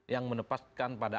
yang menepaskan pada aspeknya